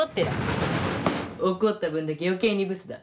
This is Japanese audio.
怒った分だけ余計にブスだ。